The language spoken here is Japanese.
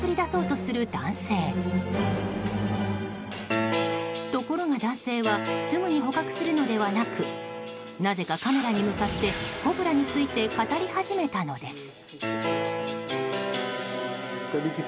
ところが男性はすぐに捕獲するのではなくなぜかカメラに向かってコブラについて語り始めたのです。